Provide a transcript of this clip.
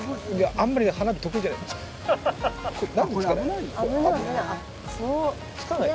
あんまり花火得意じゃない。